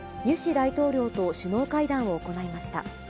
大統領と首脳会談を行いました。